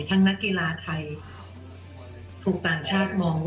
นักกีฬาไทยถูกต่างชาติมอง